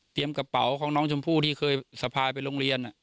กระเป๋าของน้องชมพู่ที่เคยสะพายไปโรงเรียน